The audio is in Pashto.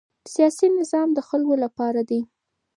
سیاسي نظام د خلکو لپاره دی